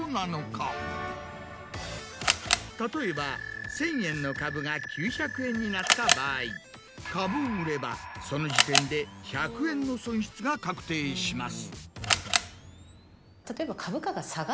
例えば１０００円の株が９００円になった場合株を売ればその時点で１００円の損失が確定します。